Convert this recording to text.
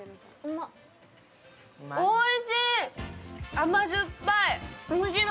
甘酸っぱい。